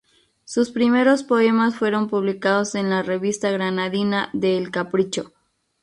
Sus primeros poemas fueron publicados en la revista granadina de "El Capricho".